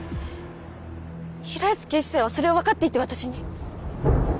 平安警視正はそれをわかっていて私に？